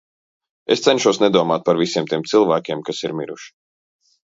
Es cenšos nedomāt par visiem tiem cilvēkiem, kas ir miruši.